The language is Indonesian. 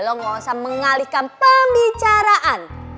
gak usah mengalihkan pembicaraan